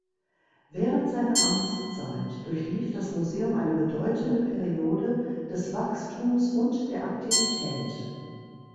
Während seiner Amtszeit durchlief das Museum eine bedeutende Periode des Wachstums und der Aktivität.